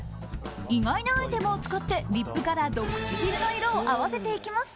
意外なアイテムを使ってリップカラーと唇の色を合わせていきます。